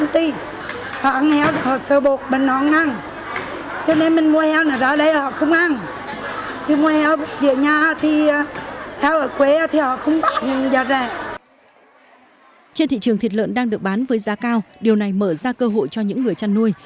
trên thị trường thịt lợn đang được bán với giá cao điều này mở ra cơ hội cho những người chăn nuôi